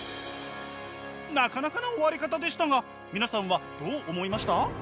なかなかな終わり方でしたが皆さんはどう思いました？